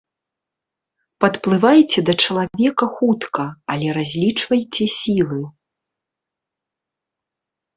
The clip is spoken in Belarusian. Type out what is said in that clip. Падплывайце да чалавека хутка, але разлічвайце сілы.